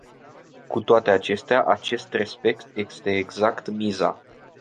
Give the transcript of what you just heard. Cu toate acestea, acest respect este exact miza.